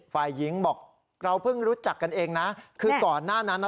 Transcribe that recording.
ฝ่ายหญิงบอกเราเพิ่งรู้จักกันเองนะคือก่อนหน้านั้นน่ะ